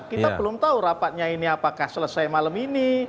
kita belum tahu rapatnya ini apakah selesai malam ini